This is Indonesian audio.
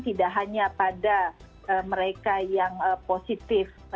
tidak hanya pada mereka yang positif